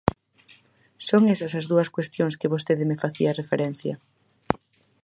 Son esas as dúas cuestións que vostede me facía referencia.